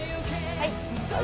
はい。